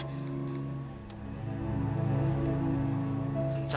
aku juga bawa bingkisan